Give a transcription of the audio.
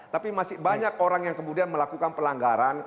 tapi masih banyak orang yang kemudian melakukan pelanggaran